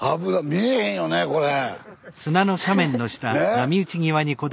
見えへんよねこれ。